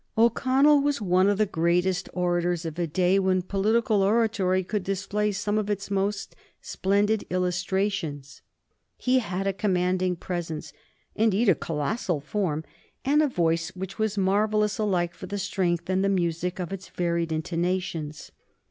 O'Connell was one of the greatest orators of a day when political oratory could display some of its most splendid illustrations. He had a commanding presence, indeed a colossal form, and a voice which was marvellous alike for the strength and the music of its varied intonations.